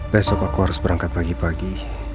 besok aku harus berangkat pagi pagi